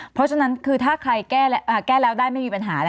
เพราะฉะนั้นคือถ้าใครแก้แล้วได้ไม่มีปัญหา